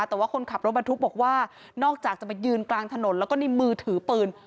แต่ว่าคนขับรถบรรทุกบอกว่านอกจากจะมายืนกลางถนนแล้วก็ในมือถือปืน